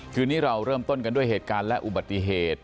คืนนี้เราเริ่มต้นกันด้วยเหตุการณ์และอุบัติเหตุ